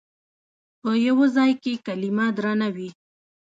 په یوه ځای کې کلمه درنه وي.